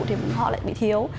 thì họ lại bị thiếu